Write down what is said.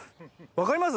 分かります？